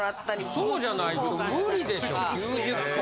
そうじゃないと無理でしょ９０本は。